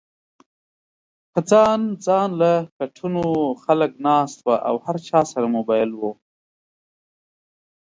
پۀ ځان ځانله کټونو خلک ناست وو او هر چا سره موبايل ؤ